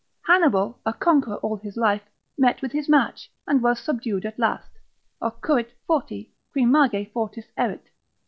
Hannibal, a conqueror all his life, met with his match, and was subdued at last, Occurrit forti, qui mage fortis erit.